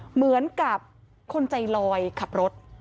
เหมือนกับคนใจลอยขับรถ